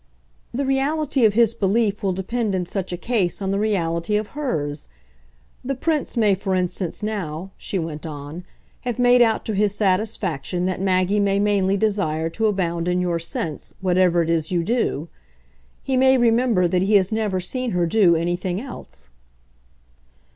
"The reality of his belief will depend in such a case on the reality of hers. The Prince may for instance now," she went on, "have made out to his satisfaction that Maggie may mainly desire to abound in your sense, whatever it is you do. He may remember that he has never seen her do anything else."